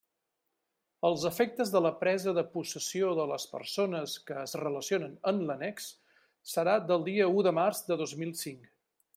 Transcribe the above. Els efectes de la presa de possessió de les persones que es relacionen en l'annex serà del dia u de març de dos mil cinc.